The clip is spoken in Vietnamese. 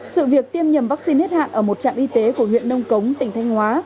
sự việc tiêm nhầm vaccine hết hạn ở một trạm y tế của huyện nông cống tỉnh thanh hóa